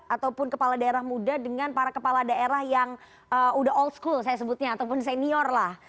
ataupun kepala daerah muda dengan para kepala daerah yang udah old school saya sebutnya ataupun senior lah